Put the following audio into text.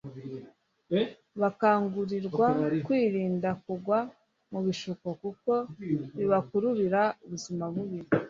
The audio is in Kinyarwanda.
bakangurirwa kwirinda kugwa mu bishuko kuko bibakururira ubuzima bubi